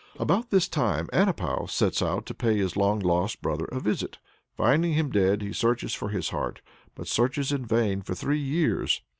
About this time Anepou sets out to pay his long lost brother a visit. Finding him dead, he searches for his heart, but searches in vain for three years.